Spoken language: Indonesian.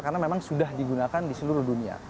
karena memang sudah digunakan di seluruh dunia